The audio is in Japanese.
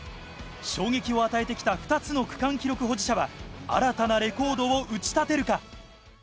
衝撃を与えてきた２つの区間記録保持者は新たなレコードを打ち立てるか。